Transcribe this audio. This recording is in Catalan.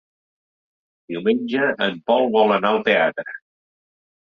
Diumenge en Pol vol anar al teatre.